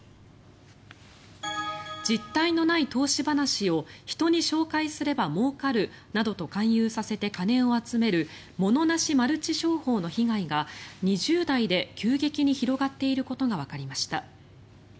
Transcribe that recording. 実態のない投資話を人に紹介すればもうかるなどと勧誘させて金を集めるモノなしマルチ商法の被害が２０代で急激に広がっていることがわかりました。